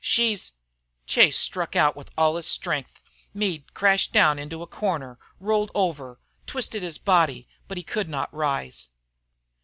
She's " Chase struck out with all his strength. Meade crashed down into a corner, rolled over, twisted his body, but could not rise.